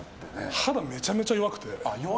肌めちゃめちゃ弱くて。